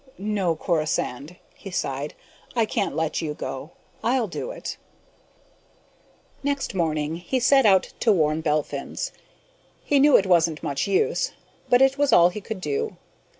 "No, Corisande," he sighed. "I can't let you go. I'll do it." Next morning, he set out to warn Belphins. He knew it wasn't much use, but it was all he could do.